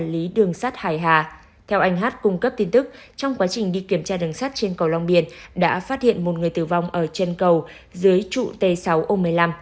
công ty quản lý đường sắt hải hà theo anh h cung cấp tin tức trong quá trình đi kiểm tra đường sắt trên cầu long biên đã phát hiện một người tử vong ở chân cầu dưới trụ t sáu ô một mươi năm